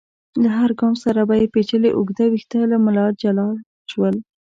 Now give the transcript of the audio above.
له هر ګام سره به يې پيچلي اوږده ويښته له ملا جلا شول.